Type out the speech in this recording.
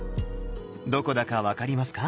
どこだか分かりますか？